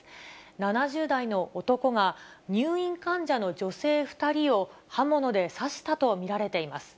７０代の男が、入院患者の女性２人を刃物で刺したと見られています。